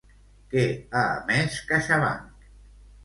Què ha emès CaixaBank?